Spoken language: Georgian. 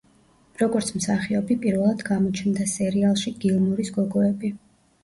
როგორც მსახიობი პირველად გამოჩნდა სერიალში „გილმორის გოგოები“.